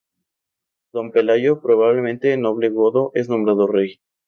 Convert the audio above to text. Don Pelayo, probablemente noble godo, es nombrado rey.